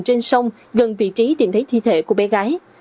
trên sông gần vị trí tìm thấy thi thể của bé gái